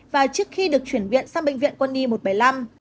và trước khi được chuyển viện sang bệnh viện quân y một trăm bảy mươi năm